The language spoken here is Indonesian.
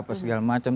atau segala macam